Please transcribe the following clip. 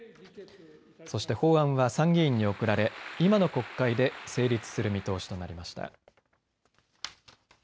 そして法案は参議院に送られ今の国会で成立する見通しとなりました。